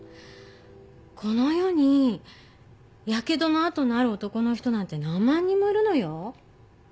この世にヤケドの跡のある男の人なんて何万人もいるのよ。